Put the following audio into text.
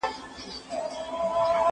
کار د زده کوونکي له خوا کيږي